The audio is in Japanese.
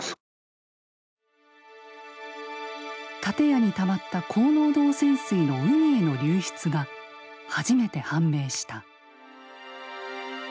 建屋にたまった高濃度汚染水の海への流出が初めて判明した。